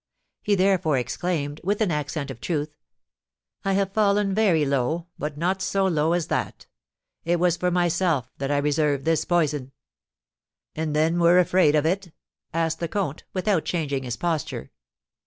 He therefore exclaimed, with an accent of truth: "I have fallen very low, but not so low as that. It was for myself that I reserved this poison." "And then were afraid of it?" asked the comte, without changing his posture.